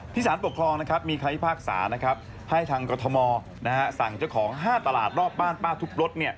พิสารปกครองนะครับมีความพิพากษานะครับให้ทางกรทมสั่งเจ้าของ๕ตลาดรอบบ้านป้าทุบรถ